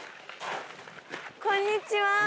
こんにちは。